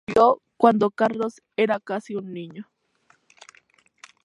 Doña Carmen murió cuando Carlos era casi un niño.